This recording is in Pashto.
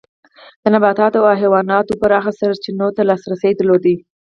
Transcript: د نباتاتو او حیواناتو پراخو سرچینو ته لاسرسی درلود.